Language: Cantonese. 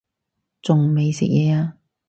仲未食嘢呀